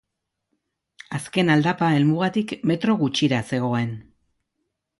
Azken aldapa helmugatik metro gutxira zegoen.